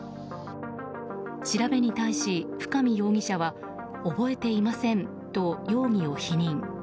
調べに対し、深見容疑者は覚えていませんと容疑を否認。